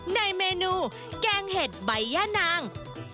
ในเมนูแกงเห็ดใบย่านาง